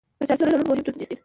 کچالو د هوټلونو مهم توکي دي